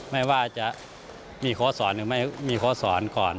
ไม่ว่าจะมีโค้ดสอนหรือไม่มีโค้ดสอนก่อน